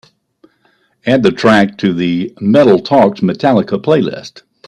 Add the track to the Metal Talks Metallica playlist.